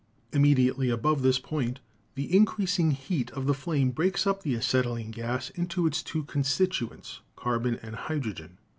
Im mediately above this point the increasing heat of the flame breaks up the acetylene gas into its two constituents, carbon and hydrogen.